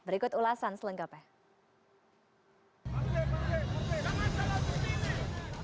berikut ulasan selengkapnya